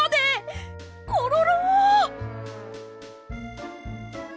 コロロ！